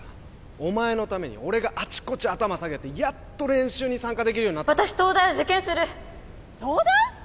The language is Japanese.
お前のために俺があちこち頭下げてやっと練習に参加できるように私東大を受験する東大？